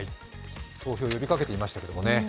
投票を呼びかけていましたけどね。